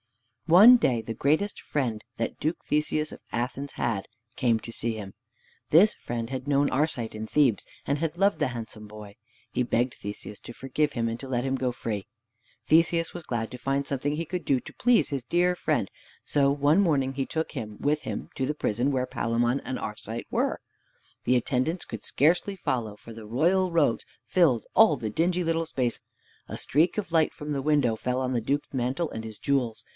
One day the greatest friend that Duke Theseus of Athens had, came to see him. This friend had known Arcite in Thebes, and had loved the handsome boy. He begged Theseus to forgive him, and to let him go free. Theseus was glad to find something he could do to please his dear friend, so one morning he took him with him to the prison where Palamon and Arcite were. The attendants could scarcely follow, for the royal robes filled all the dingy little space! A streak of light from the window fell on the Duke's mantle and his jewels.